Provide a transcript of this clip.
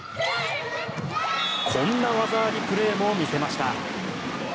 こんな技ありプレーも見せました。